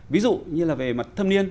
ví dụ như là về mặt thâm niên